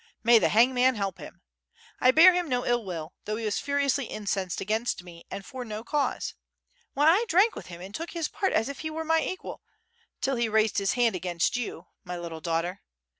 May the hangman help him! I bear him no ill will, though he was furiously incensed against me and for no cause. Why, I drank with him and took his part as if he were my equal, till he raised his hand against you, my little daughter.